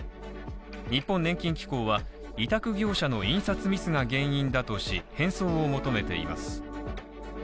日本年金機構は、委託業者の印刷ミスが原因だとし、返送を求めています。